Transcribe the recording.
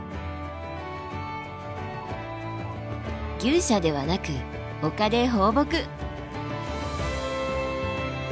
牛舎ではなく丘で放牧。